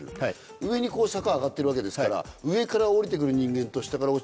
上にこう坂上がってるわけですから上から下りて来る人間と下から。